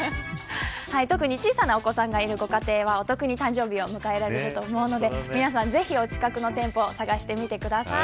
特に小さなお子さんがいるご家庭は、お得に誕生日を迎えられると思うので皆さんぜひ、お近くの店舗を探してみてください。